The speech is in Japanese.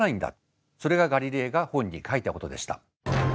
それがガリレイが本に書いたことでした。